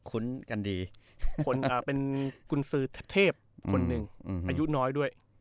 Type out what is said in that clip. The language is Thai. คุ้นกันดีคนอ่าเป็นคุณศือเทพคนหนึ่งอืมอืมอายุน้อยด้วย